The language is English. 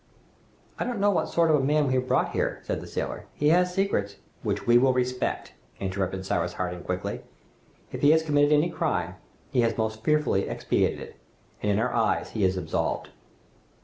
"I don't know what sort of a man we have brought here," said the sailor. "He has secrets " "Which we will respect," interrupted Cyrus Harding quickly. "If he has committed any crime, he has most fearfully expiated it, and in our eyes he is absolved."